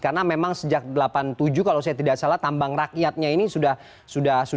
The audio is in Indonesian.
karena memang sejak seribu sembilan ratus delapan puluh tujuh kalau saya tidak salah tambang rakyatnya ini sudah beroperasi